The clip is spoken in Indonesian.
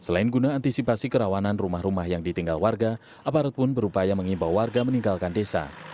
ditinggal warga aparat pun berupaya mengimbau warga meninggalkan desa